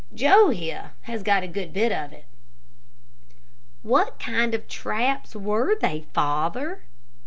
Joe here has got a good bit of it." "What kind of traps were they, father?"